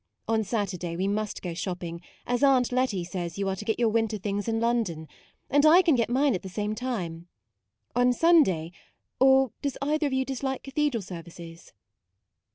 On Saturday we must go shopping, as Aunt Letty says you are to get your winter things in London; and I can get mine at the same time. On Sun day or does either of you dislike cathedral services